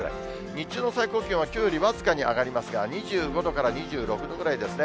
日中の最高気温は、きょうよりわずかに上がりますが、２５度から２６度ぐらいですね。